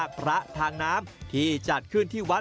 ซึ่งเป็นประเพณีที่มีหนึ่งเดียวในประเทศไทยและหนึ่งเดียวในโลก